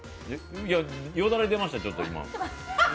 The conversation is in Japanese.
よだれ出ました、ちょっと。